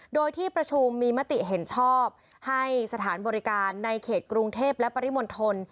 โดยที่ประชุมมีมติเห็นชอบให้สถานบริการในเขตกรุงเทพและปริมณฑล